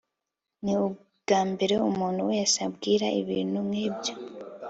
ni ubwambere umuntu wese ambwira ibintu nkibyo